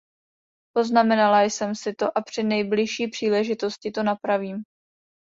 Poznamenala jsem si to a při nejbližší příležitosti to napravím.